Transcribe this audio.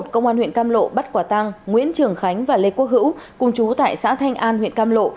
công an huyện cam lộ bắt quả tăng nguyễn trường khánh và lê quốc hữu cùng chú tại xã thanh an huyện cam lộ